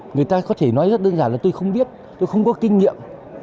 người ta có thể nói rất đơn giản là tôi không biết tôi không có kinh nghiệm